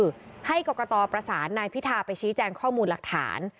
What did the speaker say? คือให้กรกตประสานนายพิธาไปชี้แจงข้อมูลหลักฐาน